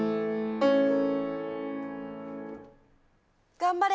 頑張れ。